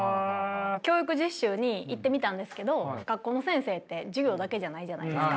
教育実習に行ってみたんですけど学校の先生って授業だけじゃないじゃないですか。